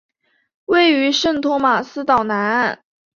位于圣托马斯岛南岸。